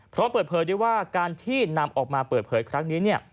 ประการที่นำออกมาเปิดเผยครั้งนี้